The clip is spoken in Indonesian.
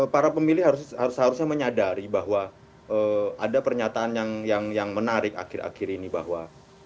para pemilih harus seharusnya menyadari bahwa ada pernyataan yang menarik akhir akhir ini bahwa